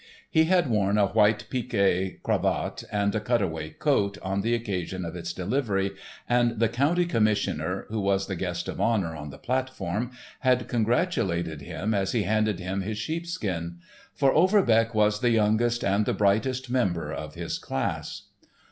He had worn a white pique cravat and a cutaway coat on the occasion of its delivery, and the county commissioner, who was the guest of honour on the platform, had congratulated him as he handed him his sheepskin. For Overbeck was the youngest and the brightest member of his class.